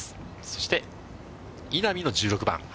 そして稲見の１６番。